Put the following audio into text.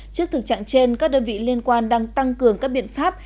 trước thực trạng trên các đơn vị liên quan đang tăng cường các biện pháp